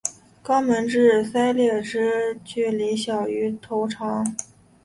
肛门至鳃裂之距离小于头长。